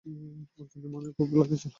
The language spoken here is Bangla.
অর্জুনের মনেও ক্ষোভ লেগেছিল।